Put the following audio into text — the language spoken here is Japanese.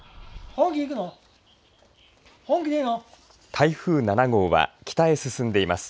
台風７号は北へ進んでいます。